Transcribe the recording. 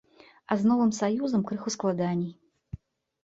А з новым саюзам крыху складаней.